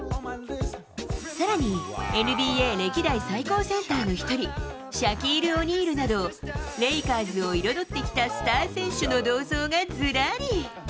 さらにＮＢＡ歴代最高センターの一人、シャキール・オニールなど、レイカーズを彩ってきたスター選手の銅像がずらり。